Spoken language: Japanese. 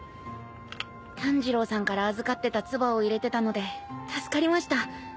炭治郎さんから預かってたつばを入れてたので助かりました。